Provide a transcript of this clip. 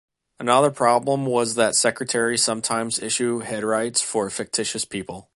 Another problem was that secretaries sometimes issued headrights for fictitious people.